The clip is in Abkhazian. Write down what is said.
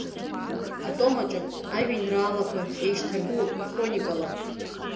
Атом аҿы ажәеинраалақәа еишьҭаргылоуп хроникала.